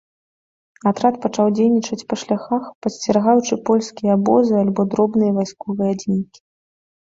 Атрад пачаў дзейнічаць па шляхах, падсцерагаючы польскія абозы альбо дробныя вайсковыя адзінкі.